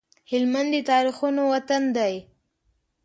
هلمند د تاريخونو وطن دی